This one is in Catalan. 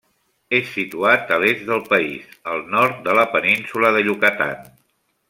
És situat a l'est del país, al nord de la península de Yucatán.